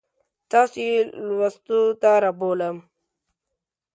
تاسو یې لوستو ته رابولم.